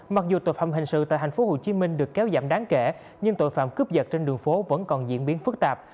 mặc dù tội phạm hình sự tại tp hcm được kéo giảm đáng kể nhưng tội phạm cướp giật trên đường phố vẫn còn diễn biến phức tạp